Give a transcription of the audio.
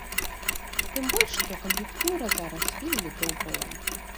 Тым больш, што кан'юнктура зараз вельмі добрая.